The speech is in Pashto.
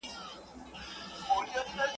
څلور کوره، پنځه ئې ملکان.